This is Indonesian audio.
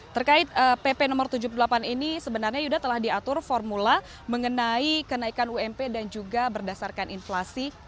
terkait pp no tujuh puluh delapan ini sebenarnya yuda telah diatur formula mengenai kenaikan ump dan juga berdasarkan inflasi